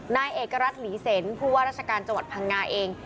นายเอกรัฐหลีเซ็นผู้ว่าราชการจังหวัดพังงาเอง